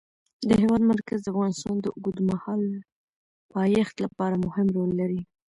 د هېواد مرکز د افغانستان د اوږدمهاله پایښت لپاره مهم رول لري.